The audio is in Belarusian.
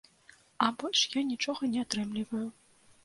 А больш я нічога не атрымліваю.